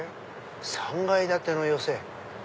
３階建ての寄席！